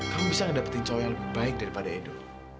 kamu bisa mendapatkan cowok yang lebih baik daripada edo